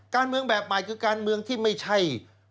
การเมืองแบบใหม่คือการเมืองที่ไม่ใช่